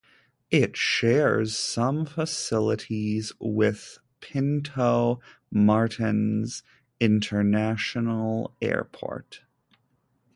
It shares some facilities with Pinto Martins International Airport.